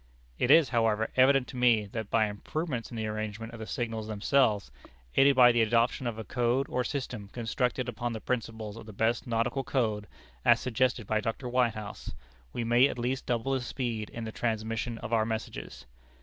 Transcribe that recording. "It is, however, evident to me, that by improvements in the arrangement of the signals themselves, aided by the adoption of a code or system constructed upon the principles of the best nautical code, as suggested by Dr. Whitehouse, we may at least double the speed in the transmission of our messages.